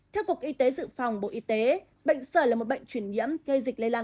theo cục y tế dự phòng bộ y tế bệnh sởi là một bệnh truyền nhiễm gây dịch lây lan